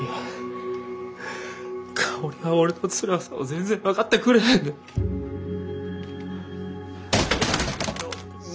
香は香は俺のつらさを全然分かってくれへんねん。